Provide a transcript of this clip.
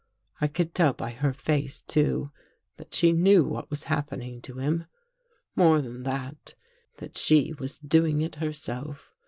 I could tell by her face, too, that she knew what was happening to him. More than that, that she was doing it herself.